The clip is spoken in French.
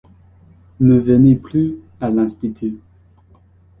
Ne venez plus à l’Institut.